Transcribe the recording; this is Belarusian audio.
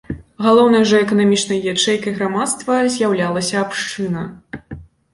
Галоўнай жа эканамічнай ячэйкай грамадства з'яўлялася абшчына.